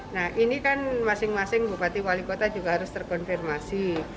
nah ini kan masing masing bupati wali kota juga harus terkonfirmasi